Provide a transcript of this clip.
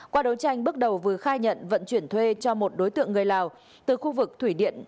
qua đấu tranh bước đầu vừa khai nhận vận chuyển thuê cho một đối tượng người lào từ khu vực thủy điện